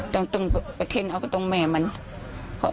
ใครเป็นคนทำอ่ะ